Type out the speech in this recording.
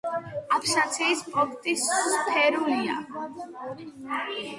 აბსიდის კონქი სფერულია.